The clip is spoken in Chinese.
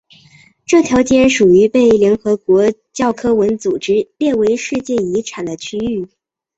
这条街属于被联合国教科文组织列为世界遗产的区域。